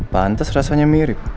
pantes rasanya mirip